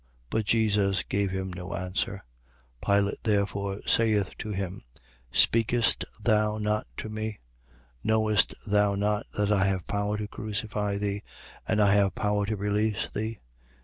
But Jesus gave him no answer. 19:10. Pilate therefore saith to him: Speakest thou not to me? Knowest thou not that I have power to crucify thee, and I have power to release thee? 19:11.